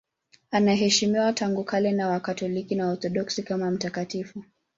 Anaheshimiwa tangu kale na Wakatoliki na Waorthodoksi kama mtakatifu.